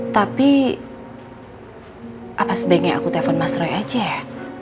tapi apa sebaiknya aku telfon mas roy aja ya